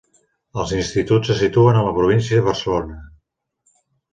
Els instituts se situen a la província de Barcelona.